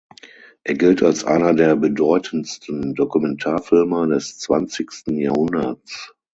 Er gilt als einer der bedeutendsten Dokumentarfilmer des zwanzigsten Jahrhunderts.